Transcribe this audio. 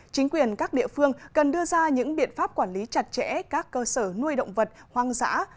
chính quyền các địa phương cần đưa ra những biện pháp quản lý chặt chẽ các cơ sở nuôi động vật hoang dã